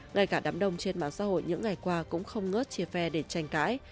ngay cả đám đông trên mạng xã hội những ngày qua cũng không ngớt chia phe để tranh cãi